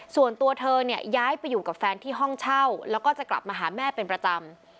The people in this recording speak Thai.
ส่วนตัวเธอเนี่ยย้ายไปอยู่กับแฟนที่ห้องเช่าแล้วก็จะกลับมาหาแม่เป็นประจำ